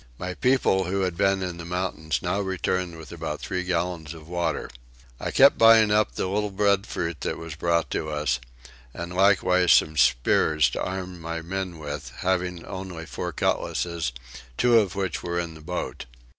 My people who had been in the mountains now returned with about three gallons of water. I kept buying up the little breadfruit that was brought to us, and likewise some spears to arm my men with, having only four cutlasses, two of which were in the boat.